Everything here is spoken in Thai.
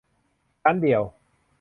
ชั้นเดียว